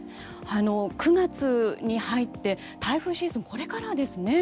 ９月に入って台風シーズンはこれからですね。